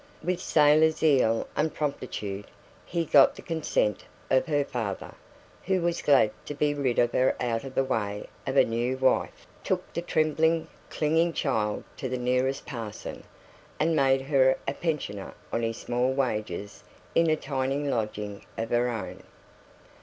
With sailor zeal and promptitude, he got the consent of her father, who was glad to be rid of her out of the way of a new wife; took the trembling, clinging child to the nearest parson, and made her a pensioner on his small wages in a tiny lodging of her own.